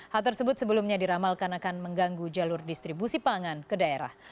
hal tersebut sebelumnya diramalkan akan mengganggu jalur distribusi pangan ke daerah